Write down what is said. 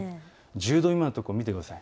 １０度未満のところを見てください。